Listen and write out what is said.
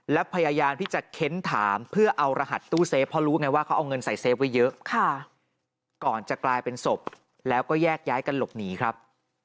แล้วพยายามที่จะเค้นถามเพื่อเอารหัสตู้เซฟเพราะรู้ไงว่าเขาเอาเงินใส่เฟฟไว้เยอะก่อนจะกลายเป็นศพแล้วก็แยกย้ายกันหลบหนีครับ